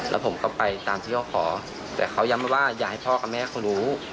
แล้วผมก็ไปตามที่เขาขอแต่เขาย้ำว่าอยากให้พ่อกับแม่เขารู้